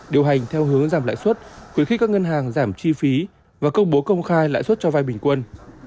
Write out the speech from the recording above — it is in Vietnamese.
điều hành theo hướng giảm lãi suất khuyến khích các ngân hàng giảm chi phí và công bố công khai lãi suất cho vai bình quân